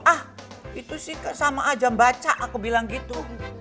ah itu sih sama ajam baca aku bilang gitu